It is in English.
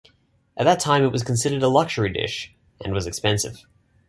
At that time it was considered a luxury dish, and was expensive.